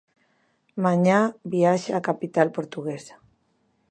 Mañá viaxe á capital portuguesa.